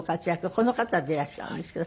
この方でいらっしゃるんですけど。